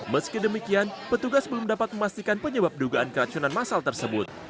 meski demikian petugas belum dapat memastikan penyebab dugaan keracunan masal tersebut